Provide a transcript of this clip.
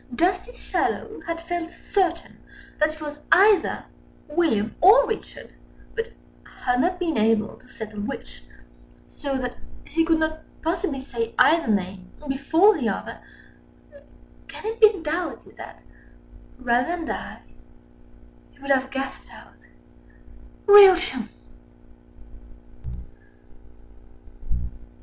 Justice Shallow had felt certain that it was either William or Richard, but had not been able to settle which, so that he could not possibly say either name before the other, can it be doubted that, rather than die, he would have gasped out "Rilchiam!"